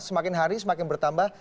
semakin hari semakin bertambah